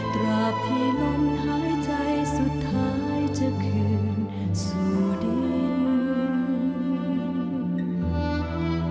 ตราบที่ลมหายใจสุดท้ายจะคืนสู่ดินหวัง